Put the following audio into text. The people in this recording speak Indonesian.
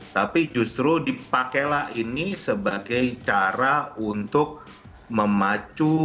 tapi justru dipakailah ini sebagai cara untuk memacu